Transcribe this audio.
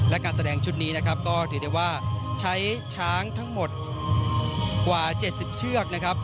และการแสดงชุดนี้ก็ถือว่าใช้ช้างทั้งหมดกว่า๗๐เชือก